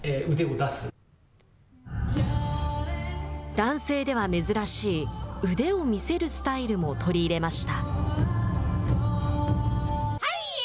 男性では珍しい腕を見せるスタイルも取り入れました。